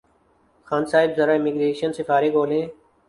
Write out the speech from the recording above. خان صاحب ذرا امیگریشن سے فارغ ہولیں